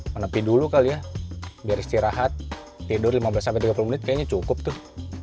menepi dulu kali ya biar istirahat tidur lima belas sampai tiga puluh menit kayaknya cukup tuh